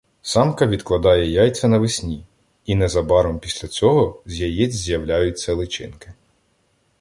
Самка відкладає яйця навесні і незабаром після цього з яєць з'являються личинки.